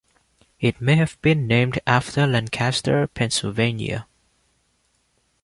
It may have been named after Lancaster, Pennsylvania.